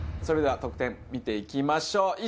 それでは得点見ていきましょう。